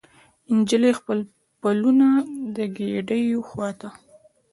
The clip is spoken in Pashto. نجلۍ خپل پلونه د کیږدۍ وخواته